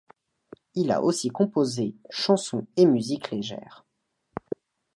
Il a aussi composé chansons et musique légère.